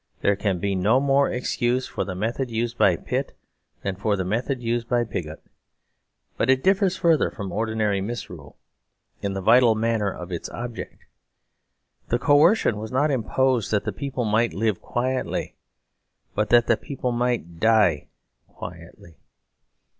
There can be no more excuse for the method used by Pitt than for the method used by Pigott. But it differs further from ordinary misrule in the vital matter of its object. The coercion was not imposed that the people might live quietly, but that the people might die quietly.